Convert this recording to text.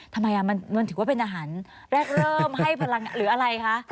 ทำไมมันถือว่าเป็นอาหารแรกเริ่มให้พลังหรืออะไรคะ